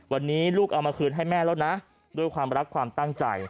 วันนี้ลูกเอามาคืนให้แม่แล้วนะด้วยความรักความตั้งใจ